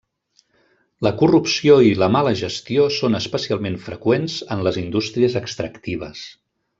La corrupció i la mala gestió són especialment freqüents en les indústries extractives.